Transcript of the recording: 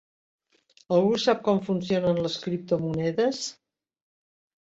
Algú sap com funcionen les criptomonedes?